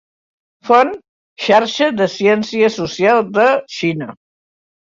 "Font: Xarxa de Ciència Social de Xina".